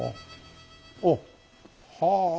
おっ！はあ。